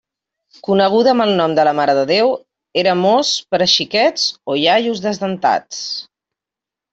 Coneguda amb el nom de la marededéu, era mos per a xiquets o iaios desdentats.